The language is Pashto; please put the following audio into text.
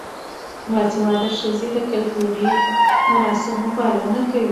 باسواده ښځې د کلتوري مراسمو پالنه کوي.